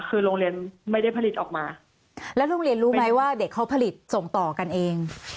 คือโรงเรียนไม่ได้ผลิตออกมาแล้วโรงเรียนรู้ไหมว่าเด็กเขาผลิตส่งต่อกันเอง